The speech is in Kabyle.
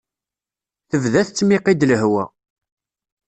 Tebda tettmiqi-d lehwa.